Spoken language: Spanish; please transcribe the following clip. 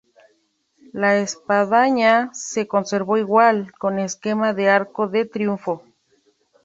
La espadaña se conservó igual, con esquema de arco de triunfo.